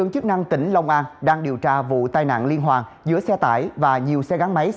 cho loại hình này